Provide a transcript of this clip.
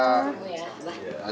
tunggu ya abah